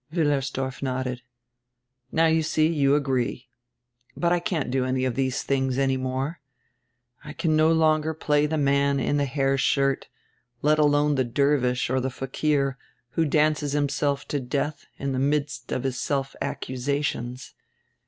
Wiillersdorf nodded. "Now you see, you agree. But I can't do any of these tilings any more. I can no longer play the man in the hair shirt, let alone the dervish or the fakir, who dances him self to death in the midst of his self accusations.